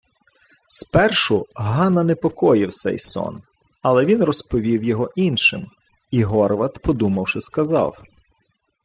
Спершу Гана непокоїв сей сон, але він розповів його іншим, і Горват, подумавши, сказав: